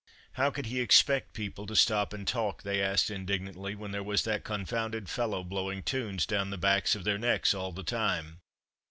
"How could he expect people to stop and talk," they asked indignantly, "when there was that confounded fellow blowing tunes down the backs of their necks all the time?"